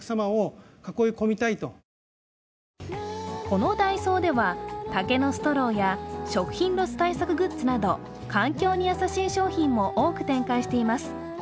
このダイソーでは竹のストローや食品ロス対策グッズなど環境に優しい商品も多く展開しています。